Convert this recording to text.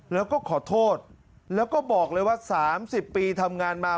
แล้วก็ขอโทษแล้วก็บอกเลยว่า๓๐ปีทำงานมา